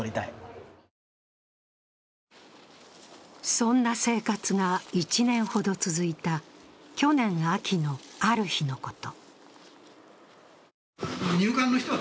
そんな生活が１年ほど続いた去年秋のある日のこと。